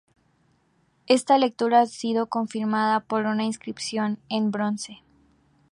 Esta lectura ha sido confirmada por una inscripción en bronce.